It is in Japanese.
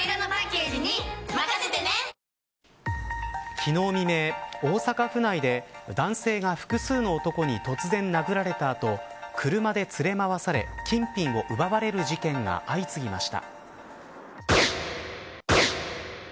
昨日未明、大阪府内で男性が複数の男に突然殴られた後車で連れ回され金品を奪われる事件が相次ぎました。